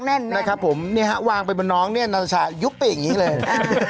แน่นนะครับผมเนี่ยฮะวางไปบนน้องเนี่ยนาชายุบไปอย่างนี้เลย